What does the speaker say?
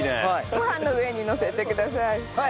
ご飯の上にのせてください。